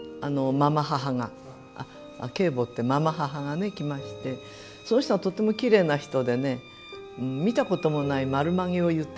継母ってまま母がね来ましてその人がとてもきれいな人でね見たこともない丸まげを結ってたんですよ。